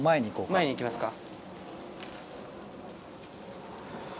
前に行きますか。